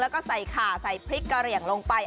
แล้วก็ใส่ขาใส่พริกกะเหลี่ยงลงไป